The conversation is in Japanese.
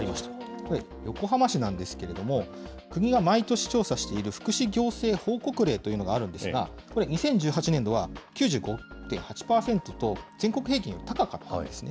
これ、横浜市なんですけれども、国が毎年調査している福祉行政報告例というのがあるんですが、これ、２０１８年度は９５．８％と、全国平均よりも高かったんですね。